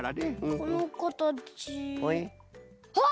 このかたちあっ！